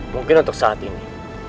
mungkin untuk saat ini